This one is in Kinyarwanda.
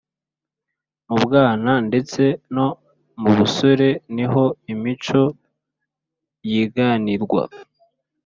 Mu bwana ndetse no mu busore niho imico yiganirwa.